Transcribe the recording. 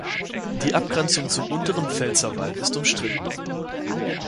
Die Abgrenzung zum Unteren Pfälzerwald ist umstritten.